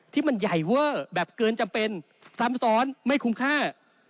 ที่มันใหญ่เวอร์แบบเกินจำเป็นซ้ำซ้อนไม่คุ้มค่า